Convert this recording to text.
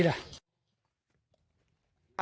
ขายดีเหรอ